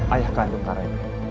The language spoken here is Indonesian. ayah kandung karai